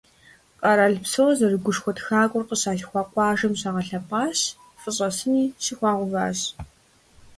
Къэрал псор зэрыгушхуэ тхакӏуэр къыщалъхуа къуажэм щагъэлъэпӏащ, фӏыщӏэ сыни щыхуагъэуващ.